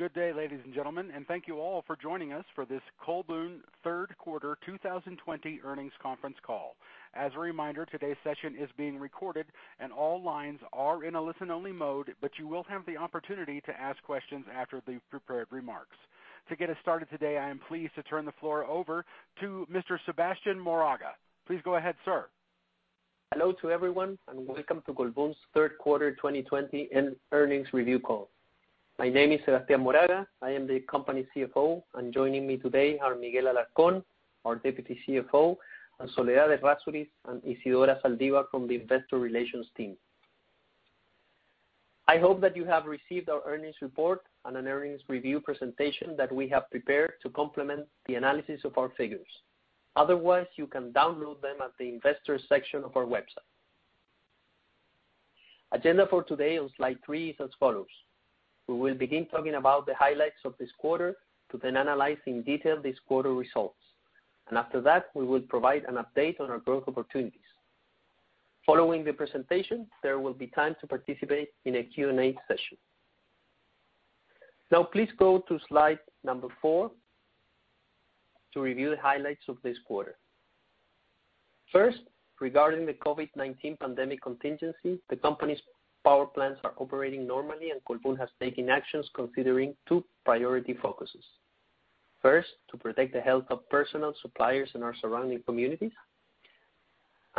Good day, ladies and gentlemen, and thank you all for joining us for this Colbún Third Quarter 2020 Earnings Conference Call. As a reminder, today's session is being recorded, and all lines are in a listen-only mode, but you will have the opportunity to ask questions after the prepared remarks. To get us started today, I am pleased to turn the floor over to Mr. Sebastián Moraga. Please go ahead, sir. Hello to everyone, welcome to Colbún's third quarter 2020 earnings review call. My name is Sebastián Moraga. I am the company's CFO, and joining me today are Miguel Alarcón, our Deputy CFO, and Soledad Errázuriz, and Isidora Zaldívar from the investor relations team. I hope that you have received our earnings report and an earnings review presentation that we have prepared to complement the analysis of our figures. Otherwise, you can download them at the investors section of our website. Agenda for today on slide three is as follows. We will begin talking about the highlights of this quarter to then analyze in detail this quarter results. After that, we will provide an update on our growth opportunities. Following the presentation, there will be time to participate in a Q&A session. Please go to slide number four to review the highlights of this quarter. First, regarding the COVID-19 pandemic contingency, the company's power plants are operating normally, and Colbún has taken actions considering two priority focuses. First, to protect the health of personnel, suppliers, and our surrounding communities.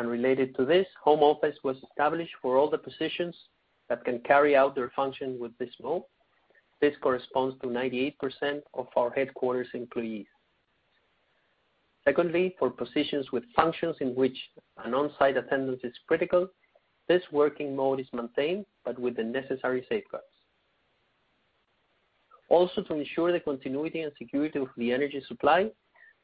Related to this, home office was established for all the positions that can carry out their function with this mode. This corresponds to 98% of our headquarters employees. Secondly, for positions with functions in which an on-site attendance is critical, this working mode is maintained, but with the necessary safeguards. Also, to ensure the continuity and security of the energy supply,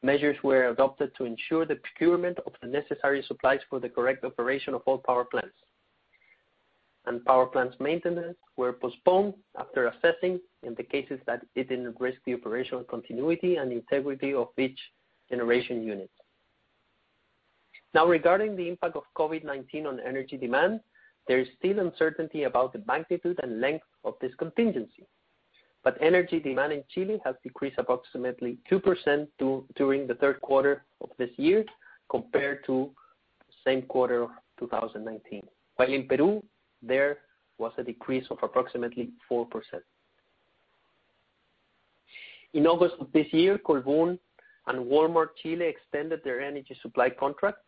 measures were adopted to ensure the procurement of the necessary supplies for the correct operation of all power plants. Power plants maintenance were postponed after assessing in the cases that it didn't risk the operational continuity and integrity of each generation unit. Regarding the impact of COVID-19 on energy demand, there is still uncertainty about the magnitude and length of this contingency. Energy demand in Chile has decreased approximately 2% during the third quarter of this year compared to same quarter 2019. While in Peru, there was a decrease of approximately 4%. In August of this year, Colbún and Walmart Chile extended their energy supply contract.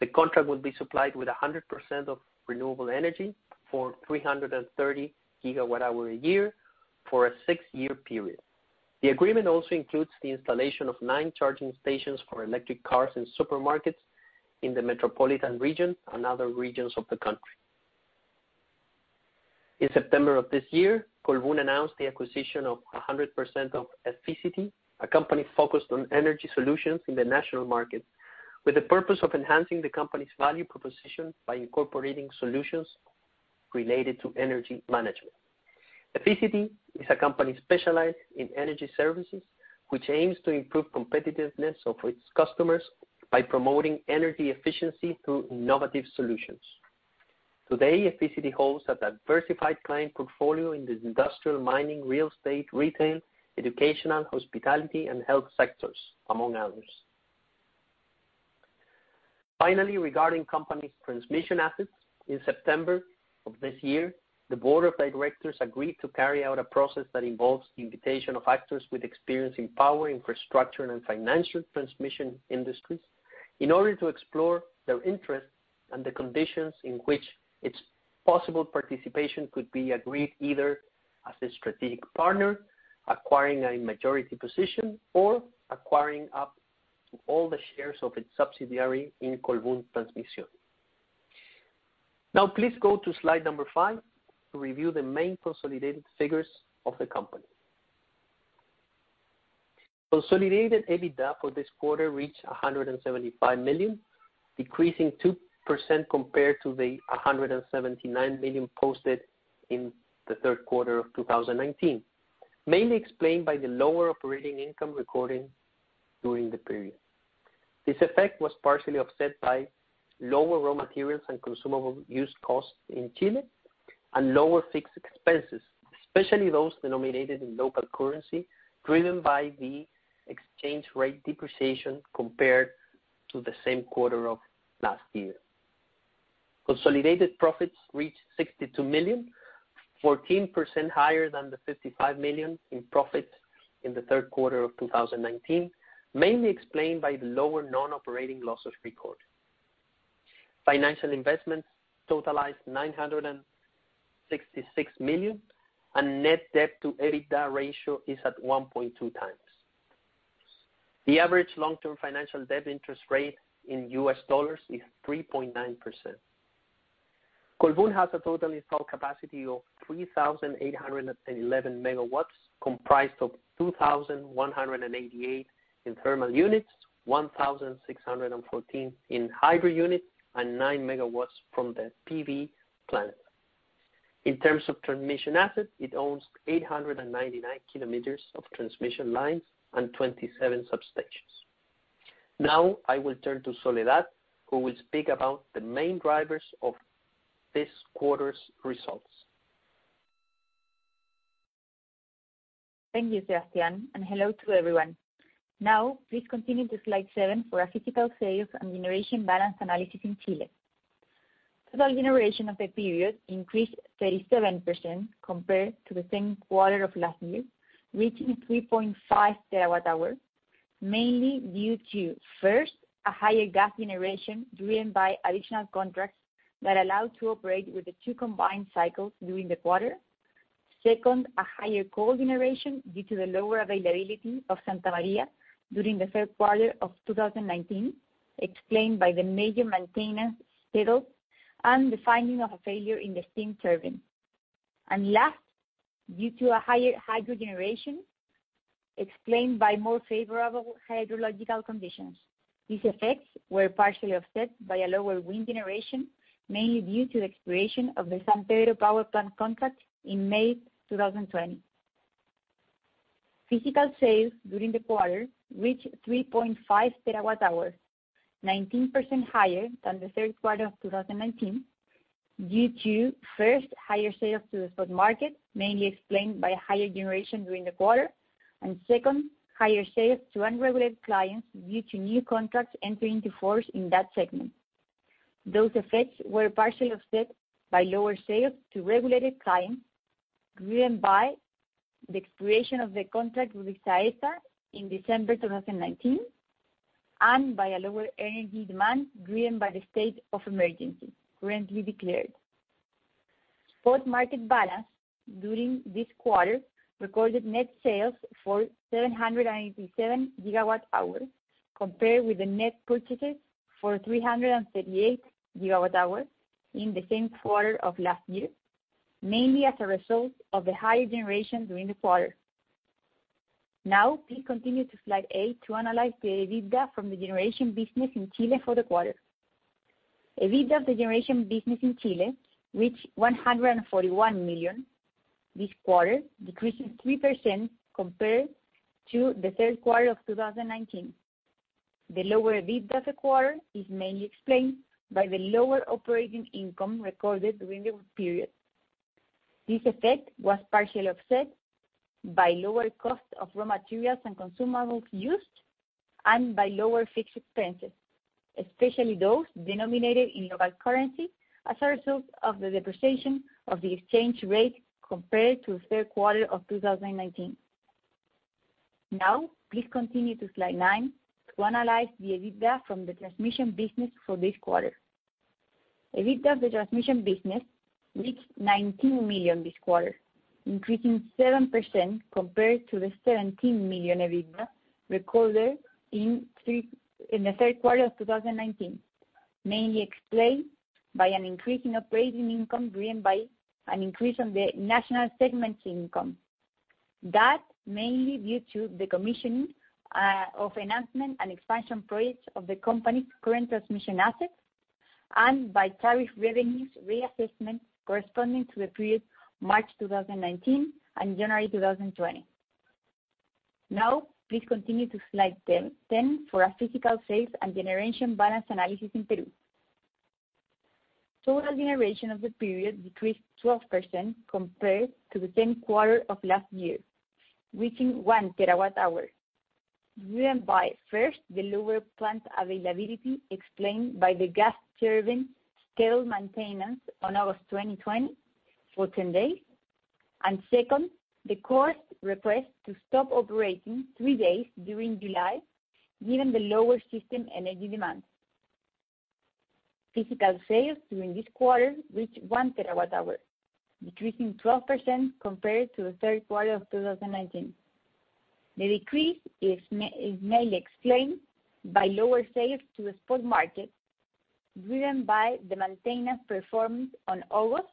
The contract will be supplied with 100% of renewable energy for 330 GWh a year for a six-year period. The agreement also includes the installation of nine charging stations for electric cars and supermarkets in the metropolitan region and other regions of the country. In September of this year, Colbún announced the acquisition of 100% of Efizity, a company focused on energy solutions in the national market, with the purpose of enhancing the company's value proposition by incorporating solutions related to energy management. Efizity is a company specialized in energy services, which aims to improve competitiveness of its customers by promoting energy efficiency through innovative solutions. Today, Efizity holds a diversified client portfolio in the industrial, mining, real estate, retail, educational, hospitality, and health sectors, among others. Finally, regarding company's transmission assets, in September of this year, the board of directors agreed to carry out a process that involves the invitation of actors with experience in power, infrastructure, and financial transmission industries in order to explore their interest and the conditions in which its possible participation could be agreed either as a strategic partner, acquiring a majority position, or acquiring up to all the shares of its subsidiary in Colbún Transmisión. Now, please go to slide number five to review the main consolidated figures of the company. Consolidated EBITDA for this quarter reached $175 million, decreasing 2% compared to the $179 million posted in the third quarter of 2019, mainly explained by the lower operating income recorded during the period. This effect was partially offset by lower raw materials and consumable use costs in Chile and lower fixed expenses, especially those denominated in local currency, driven by the exchange rate depreciation compared to the same quarter of last year. Consolidated profits reached $62 million, 14% higher than the $55 million in profit in the third quarter of 2019, mainly explained by the lower non-operating losses recorded. Financial investments totalized $966 million, and net debt to EBITDA ratio is at 1.2x. The average long-term financial debt interest rate in U.S. dollars is 3.9%. Colbún has a total installed capacity of 3,811 MW, comprised of 2,188 in thermal units, 1,614 in hydro units, and 9 MW from the PV plant. In terms of transmission assets, it owns 899 kilometers of transmission lines and 27 substations. Now I will turn to Soledad, who will speak about the main drivers of this quarter's results. Thank you, Sebastián, and hello to everyone. Now please continue to slide seven for our physical sales and generation balance analysis in Chile. Total generation of the period increased 37% compared to the same quarter of last year, reaching 3.5 TWh, mainly due to, first, a higher gas generation driven by additional contracts that allowed to operate with the two combined cycles during the quarter. Second, a higher coal generation due to the lower availability of Santa Maria during the third quarter of 2019, explained by the major maintenance schedule and the finding of a failure in the steam turbine. Last, due to a higher hydro generation explained by more favorable hydrological conditions. These effects were partially offset by a lower wind generation, mainly due to the expiration of the San Pedro power plant contract in May 2020. Physical sales during the quarter reached 3.5 TWh, 19% higher than the third quarter of 2019, due to, first, higher sales to the spot market, mainly explained by higher generation during the quarter. Second, higher sales to unregulated clients due to new contracts entering into force in that segment. Those effects were partially offset by lower sales to regulated clients, driven by the expiration of the contract with Saesa in December 2019, and by a lower energy demand driven by the state of emergency currently declared. Spot market balance during this quarter recorded net sales for 787 GWh, compared with the net purchases for 338 GWh in the same quarter of last year, mainly as a result of the higher generation during the quarter. Please continue to slide eight to analyze the EBITDA from the generation business in Chile for the quarter. EBITDA of the generation business in Chile reached $141 million this quarter, decreasing 3% compared to the third quarter of 2019. The lower EBITDA this quarter is mainly explained by the lower operating income recorded during the period. This effect was partially offset by lower costs of raw materials and consumables used, and by lower fixed expenses, especially those denominated in local currency as a result of the depreciation of the exchange rate compared to the third quarter of 2019. Please continue to slide nine to analyze the EBITDA from the transmission business for this quarter. EBITDA of the transmission business reached $19 million this quarter, increasing 7% compared to the $17 million EBITDA recorded in the third quarter of 2019, mainly explained by an increase in operating income driven by an increase in the national segment income. That mainly due to the commissioning of enhancement and expansion projects of the company's current transmission assets and by tariff revenues reassessment corresponding to the period March 2019 and January 2020. Now please continue to slide 10 for our physical sales and generation balance analysis in Peru. Total generation of the period decreased 12% compared to the same quarter of last year, reaching 1 TWh, driven by, first, the lower plant availability explained by the gas turbine scheduled maintenance on August 2020 for 10 days. Second, the court request to stop operating three days during July, given the lower system energy demand. Physical sales during this quarter reached 1 TWh, decreasing 12% compared to the third quarter of 2019. The decrease is mainly explained by lower sales to the spot market, driven by the maintenance performance on August,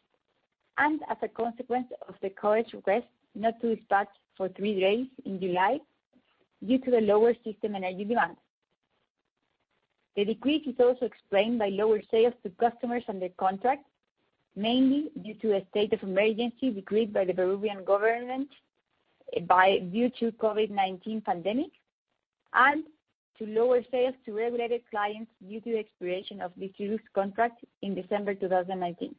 and as a consequence of the court's request not to dispatch for three days in July due to the lower system energy demand. The decrease is also explained by lower sales to customers under contract, mainly due to a state of emergency decreed by the Peruvian government due to COVID-19 pandemic, and to lower sales to regulated clients due to the expiration of the CUS contract in December 2019.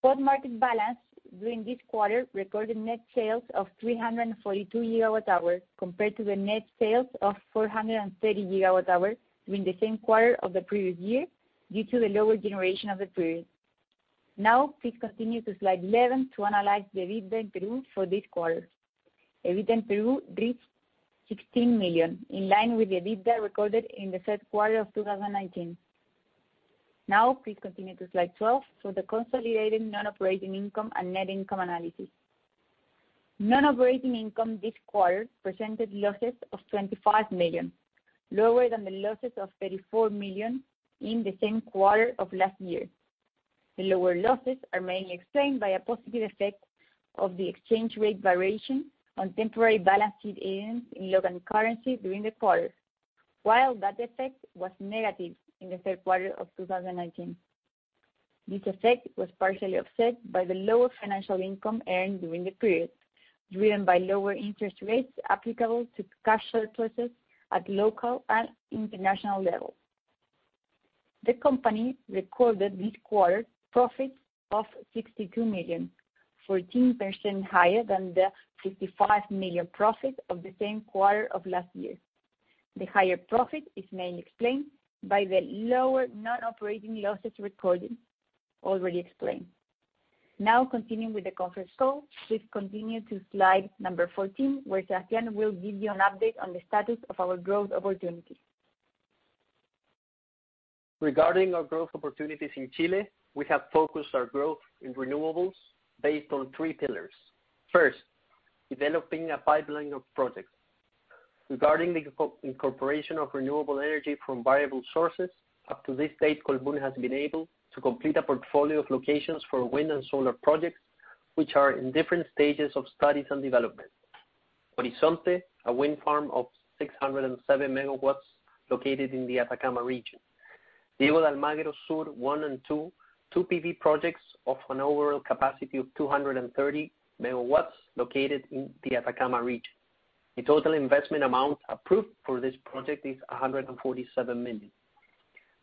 Spot market balance during this quarter recorded net sales of 342 GWh, compared to the net sales of 430 GWh during the same quarter of the previous year, due to the lower generation of the period. Please continue to slide 11 to analyze the EBITDA in Peru for this quarter. EBITDA in Peru reached $16 million, in line with the EBITDA recorded in the third quarter of 2019. Please continue to slide 12 for the consolidated non-operating income and net income analysis. Non-operating income this quarter presented losses of $25 million, lower than the losses of $34 million in the same quarter of last year. The lower losses are mainly explained by a positive effect of the exchange rate variation on temporary balance sheet items in local currency during the quarter, while that effect was negative in the third quarter of 2019. This effect was partially offset by the lower financial income earned during the period, driven by lower interest rates applicable to cash surpluses at local and international levels. The company recorded this quarter profits of $62 million, 14% higher than the $55 million profits of the same quarter of last year. The higher profit is mainly explained by the lower non-operating losses recorded, already explained. Continuing with the conference call, please continue to slide number 14, where Sebastián will give you an update on the status of our growth opportunities. Regarding our growth opportunities in Chile, we have focused our growth in renewables based on three pillars. First, developing a pipeline of projects. Regarding the incorporation of renewable energy from variable sources, up to this date, Colbún has been able to complete a portfolio of locations for wind and solar projects, which are in different stages of studies and development. Horizonte, a wind farm of 607 MW located in the Atacama region. Diego de Almagro Sur 1 and 2, two PV projects of an overall capacity of 230 MW located in the Atacama region. The total investment amount approved for this project is $147 million.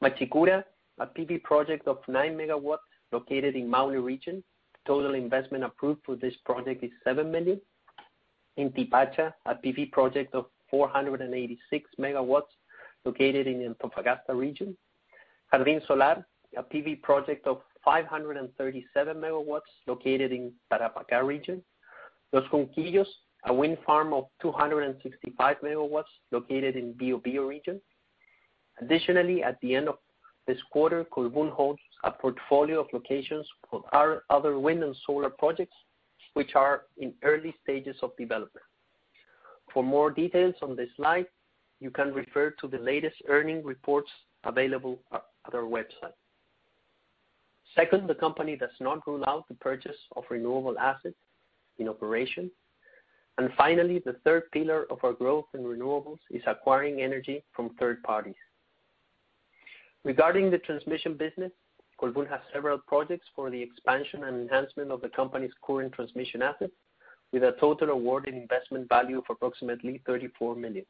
Machicura, a PV project of 9 MW located in Maule region. Total investment approved for this project is $7 million. Inti Pacha, a PV project of 486 MW located in Antofagasta region. Jardín Solar, a PV project of 537 MW located in Tarapacá region. Los Junquillos, a wind farm of 265 MW located in Biobío region. Additionally, at the end of this quarter, Colbún holds a portfolio of locations for other wind and solar projects, which are in early stages of development. For more details on this slide, you can refer to the latest earnings reports available at our website. The company does not rule out the purchase of renewable assets in operation. Finally, the third pillar of our growth in renewables is acquiring energy from third parties. Regarding the transmission business, Colbún has several projects for the expansion and enhancement of the company's current transmission assets, with a total award and investment value of approximately $34 million.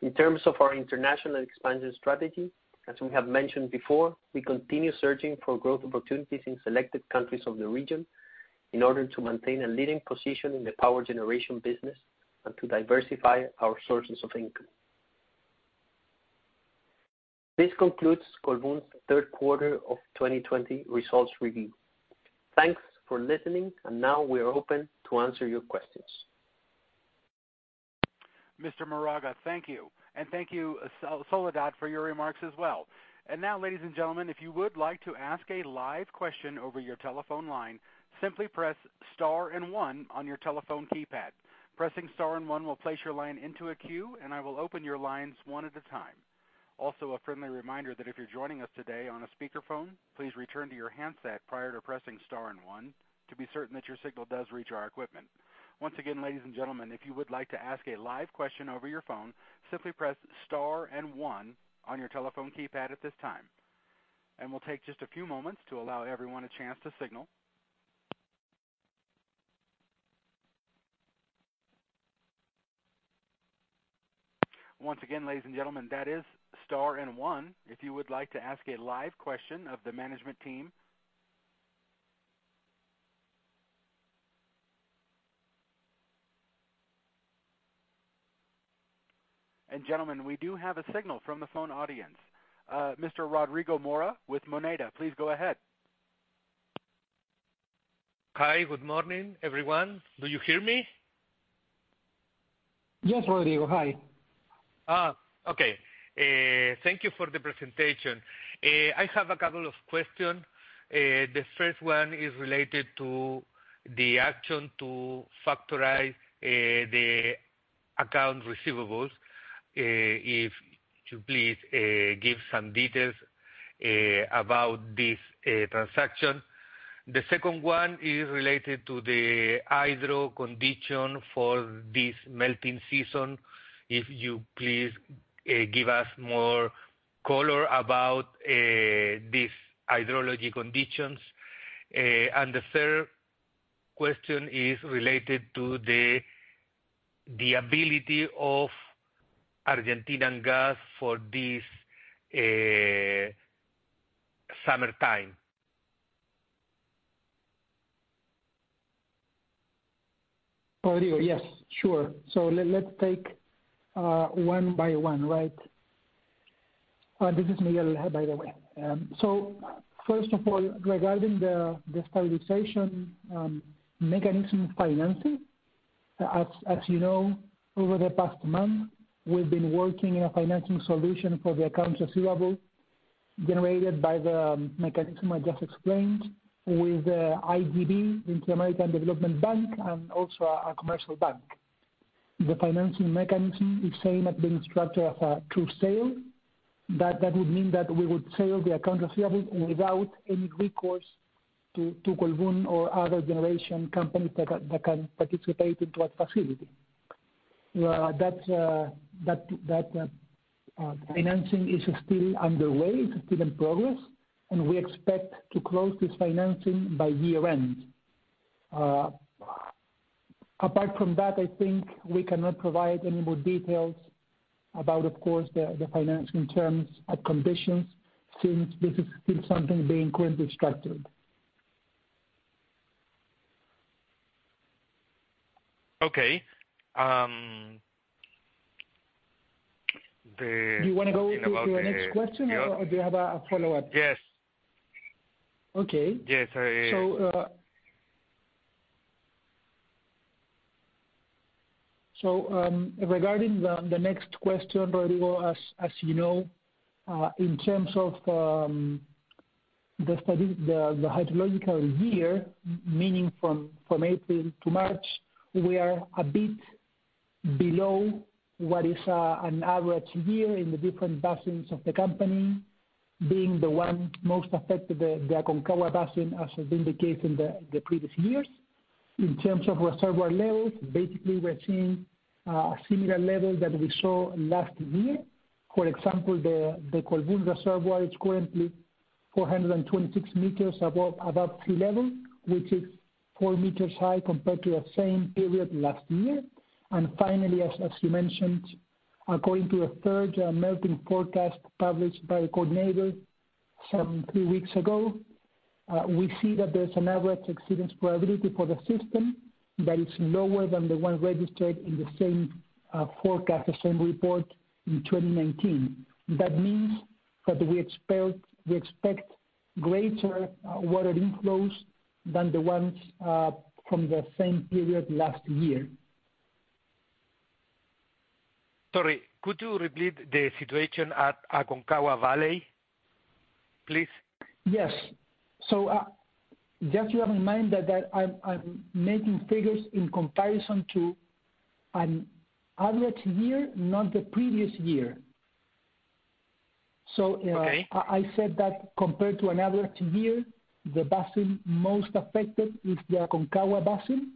In terms of our international expansion strategy, as we have mentioned before, we continue searching for growth opportunities in selected countries of the region in order to maintain a leading position in the power generation business and to diversify our sources of income. This concludes Colbún's third quarter of 2020 results review. Thanks for listening, and now we are open to answer your questions. Mr. Moraga, thank you. Thank you, Soledad, for your remarks as well. Now, ladies and gentlemen, if you would like to ask a live question over your telephone line, simply press star and one on your telephone keypad. Pressing star and one will place your line into a queue, and I will open your lines one at a time. Also, a friendly reminder that if you're joining us today on a speakerphone, please return to your handset prior to pressing star and one to be certain that your signal does reach our equipment. Once again, ladies and gentlemen, if you would like to ask a live question over your phone, simply press star and one on your telephone keypad at this time. We'll take just a few moments to allow everyone a chance to signal. Once again, ladies and gentlemen, that is star and one if you would like to ask a live question of the management team. Gentlemen, we do have a signal from the phone audience. Mr. Rodrigo Mora with Moneda, please go ahead. Hi. Good morning, everyone. Do you hear me? Yes, Rodrigo. Hi. Thank you for the presentation. I have a couple of questions. The first one is related to the action to factor the accounts receivable. If you please give some details about this transaction. The second one is related to the hydro condition for this melting season. If you please give us more color about these hydrology conditions. The third question is related to the ability of Argentinian gas for this summertime. Rodrigo. Yes, sure. Let's take one by one, right? This is Miguel. First of all, regarding the stabilization mechanism financing, as you know, over the past month, we've been working a financing solution for the accounts receivable generated by the mechanism I just explained with IDB, Inter-American Development Bank, and also a commercial bank. The financing mechanism is saying that the structure of a true sale, that would mean that we would sell the account receivable without any recourse to Colbún or other generation companies that can participate into a facility.T hat financing is still underway, still in progress, and we expect to close this financing by year-end. Apart from that, I think we cannot provide any more details about, of course, the financing terms and conditions, since this is still something being currently structured. Okay. Do you want to go to the next question, or do you have a follow-up? Yes. Okay. Yes. Regarding the next question, Rodrigo, as you know, in terms of the hydrological year, meaning from April to March, we are a bit below what is an average year in the different basins of the company, being the one most affected, the Aconcagua Basin, as has been the case in the previous years. In terms of reservoir levels, basically, we're seeing similar levels that we saw last year. For example, the Colbún reservoir is currently 426 meters above sea level, which is four meters high compared to the same period last year. Finally, as you mentioned, according to a third melting forecast published by [inaudible] some three weeks ago, we see that there's an average exceedance probability for the system that is lower than the one registered in the same forecast, the same report in 2019. That means that we expect greater water inflows than the ones from the same period last year. Sorry, could you repeat the situation at Aconcagua Valley, please? Yes. Just bear in mind that I'm making figures in comparison to an average year, not the previous year. Okay. I said that compared to an average year, the basin most affected is the Aconcagua Basin,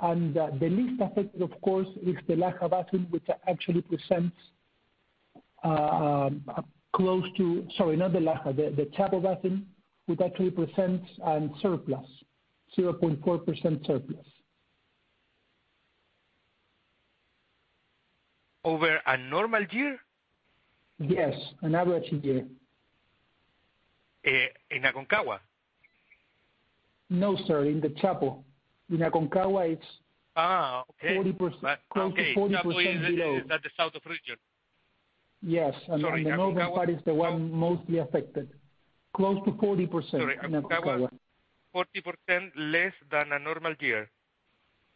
and the least affected, of course, is the Chapo Basin, which actually presents a [inaudible] and surplus, 0.4% surplus. Over a normal year? Yes, an average year. In Aconcagua? No, sir, in the Chapo. In Aconcagua, it's- Okay. Close to 40% below. At the south of region. Yes. The northern part is the one mostly affected. Close to 40% in Aconcagua. 40% less than a normal year.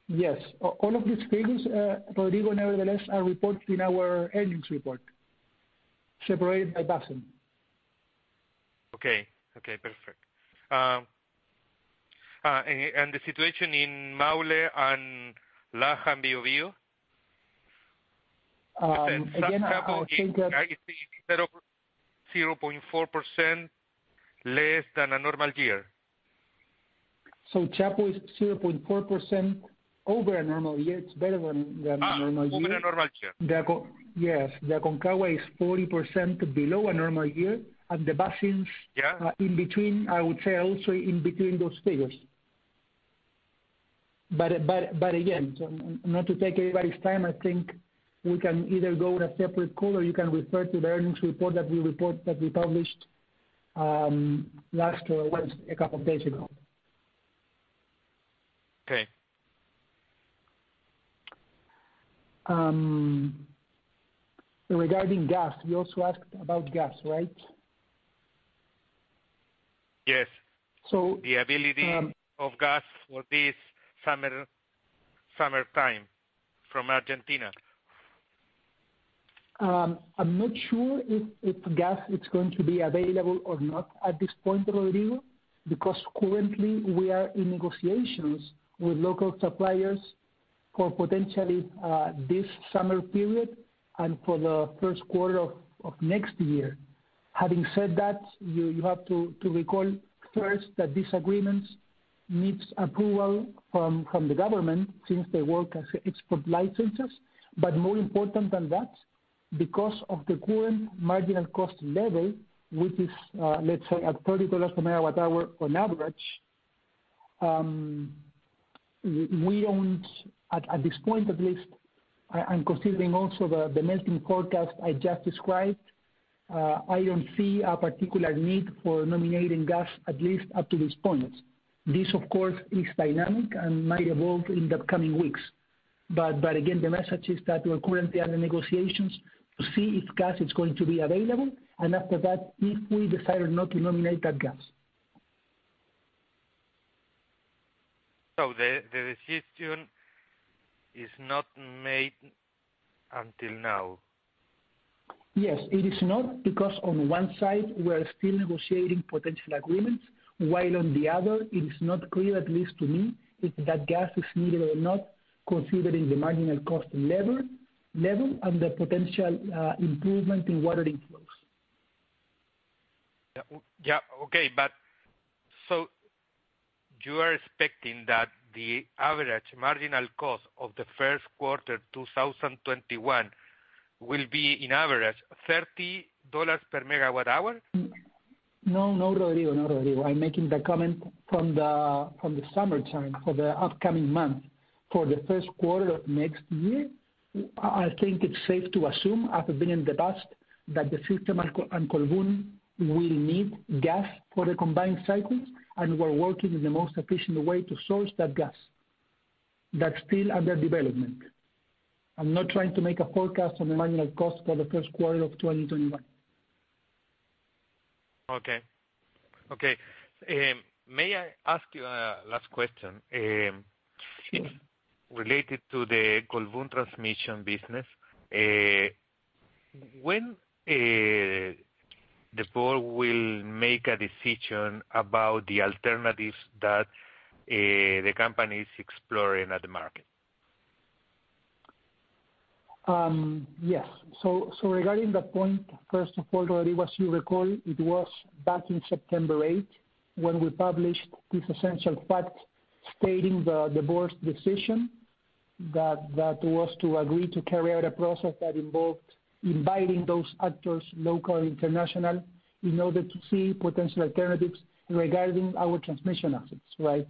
Yes. All of these figures, Rodrigo, nevertheless, are reported in our earnings report, separated by basin. Okay. Perfect. The situation in Maule, Laja and Biobío? Again. 0.4% less than a normal year? Chapo is 0.4% over a normal year. It's better than a normal year. Over a normal year. Yes. The Aconcagua is 40% below a normal year. Yeah In between, I would say also in between those figures. Again, not to take everybody's time, I think we can either go in a separate call or you can refer to the earnings report that we published a couple of days ago. Okay. Regarding gas, you also asked about gas, right? Yes. So- The availability of gas for this summertime from Argentina. I'm not sure if gas is going to be available or not at this point, Rodrigo, because currently we are in negotiations with local suppliers for potentially this summer period and for the first quarter of next year. Having said that, you have to recall first that these agreements need approval from the government, since they work as export licenses. More important than that, because of the current marginal cost level, which is, let's say, at $30 per megawatt-hour on average, at this point, at least, and considering also the melting forecast I just described, I don't see a particular need for nominating gas, at least up to this point. This, of course, is dynamic and might evolve in the upcoming weeks. Again, the message is that we're currently under negotiations to see if gas is going to be available, and after that, if we decide or not to nominate that gas. The decision is not made until now? Yes. It is not, because on one side, we are still negotiating potential agreements, while on the other, it is not clear, at least to me, if that gas is needed or not, considering the marginal cost level and the potential improvement in water inflows. Yeah. Okay, you are expecting that the average marginal cost of the first quarter 2021 will be, on average, $30 per megawatt hour? No, Rodrigo. I'm making the comment from the summertime, for the upcoming months. For the first quarter of next year, I think it's safe to assume, as has been in the past, that the system and Colbún will need gas for the combined cycles, and we're working in the most efficient way to source that gas. That's still under development. I'm not trying to make a forecast on the marginal cost for the first quarter of 2021. Okay. May I ask you a last question? Sure. Related to the Colbún transmission business, when the board will make a decision about the alternatives that the company's exploring at the market? Yes. Regarding that point, first of all, Rodrigo, as you recall, it was back in September 8, when we published this essential fact stating the board's decision that was to agree to carry out a process that involved inviting those actors, local, international, in order to see potential alternatives regarding our transmission assets. Right?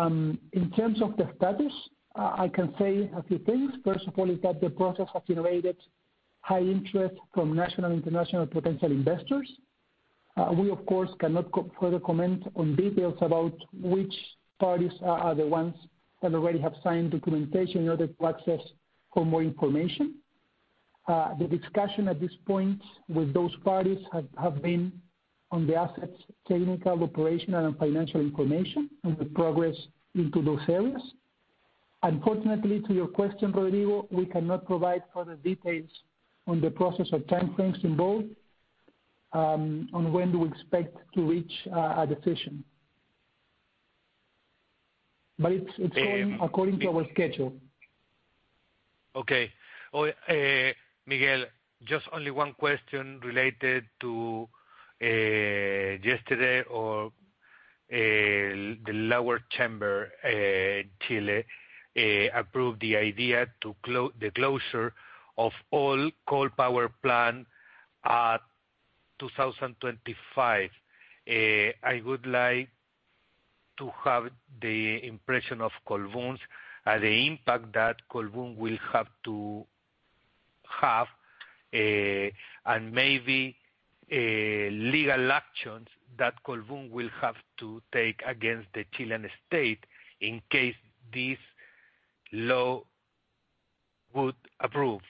In terms of the status, I can say a few things. First of all, is that the process has generated high interest from national and international potential investors. We, of course, cannot further comment on details about which parties are the ones that already have signed documentation in order to access for more information. The discussion at this point with those parties have been on the assets' technical, operational, and financial information and the progress into those areas. Unfortunately, to your question, Rodrigo, we cannot provide further details on the process or timeframes involved on when do we expect to reach a decision. It's going according to our schedule. Okay. Miguel, just only one question related to yesterday or the lower chamber, Chile approved the idea, the closure of all coal power plant by 2025. I would like to have the impression of Colbún on the impact that Colbún will have to have, maybe legal actions that Colbún will have to take against the Chilean state in case this law would approve.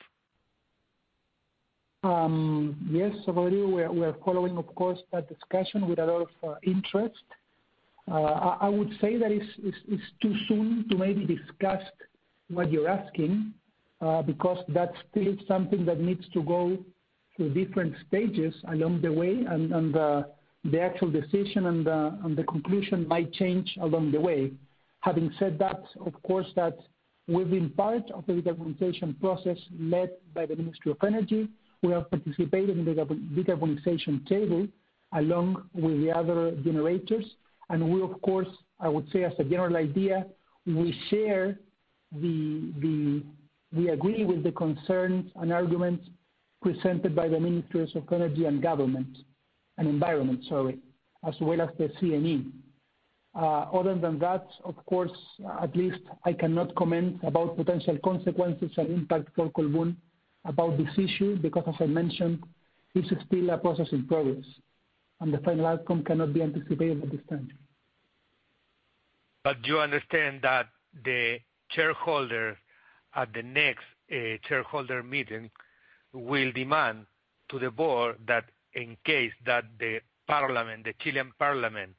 Yes, Rodrigo, we are following, of course, that discussion with a lot of interest. I would say that it's too soon to maybe discuss what you're asking, because that's still something that needs to go through different stages along the way, and the actual decision and the conclusion might change along the way. Having said that, of course that we've been part of the decarbonization process led by the Ministry of Energy. We have participated in the decarbonization table along with the other generators. We, of course, I would say as a general idea, we agree with the concerns and arguments presented by the Ministries of Energy and Environment, as well as the CNE. Other than that, of course, at least I cannot comment about potential consequences and impact for Colbún about this issue, because as I mentioned, this is still a process in progress, and the final outcome cannot be anticipated at this time. You understand that the shareholder at the next shareholder meeting will demand to the board that in case that the Chilean parliament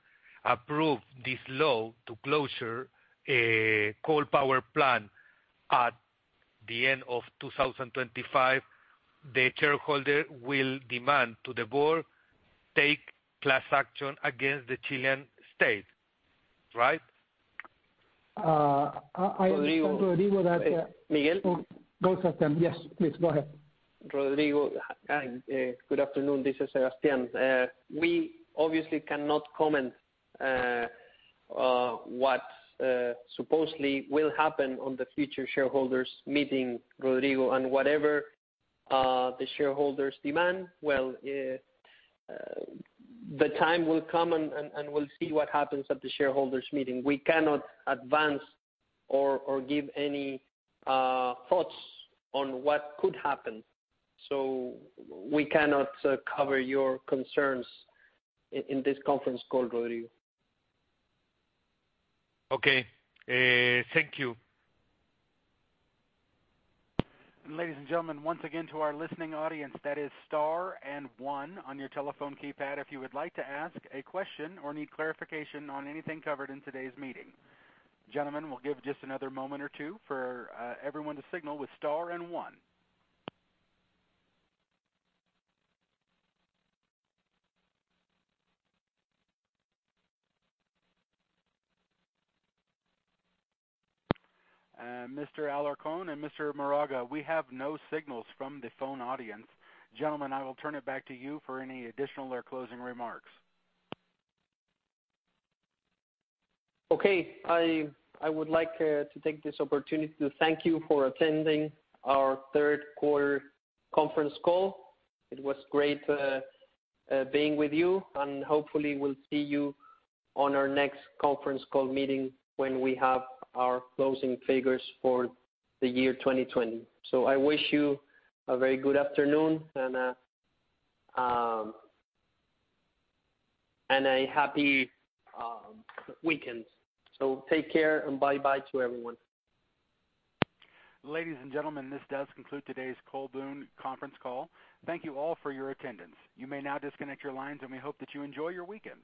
approved this law to closure a coal power plant at the end of 2025, the shareholder will demand to the board take class action against the Chilean state, right? I understand, Rodrigo. Rodrigo- Both of them. Yes, please, go ahead. Rodrigo, good afternoon. This is Sebastián. We obviously cannot comment what supposedly will happen on the future shareholders meeting, Rodrigo. Whatever the shareholders demand. The time will come. We'll see what happens at the shareholders meeting. We cannot advance or give any thoughts on what could happen. We cannot cover your concerns in this conference call, Rodrigo. Okay. Thank you. Ladies and gentlemen, once again to our listening audience, that is star and one on your telephone keypad, if you would like to ask a question or need clarification on anything covered in today's meeting. Gentlemen, we'll give just another moment or two for everyone to signal with star and one. Mr. Alarcón and Mr. Moraga, we have no signals from the phone audience. Gentlemen, I will turn it back to you for any additional or closing remarks. Okay. I would like to take this opportunity to thank you for attending our third quarter conference call. It was great being with you, and hopefully we'll see you on our next conference call meeting when we have our closing figures for the year 2020. I wish you a very good afternoon and a happy weekend. Take care, and bye-bye to everyone. Ladies and gentlemen, this does conclude today's Colbún conference call. Thank you all for your attendance. You may now disconnect your lines, and we hope that you enjoy your weekend.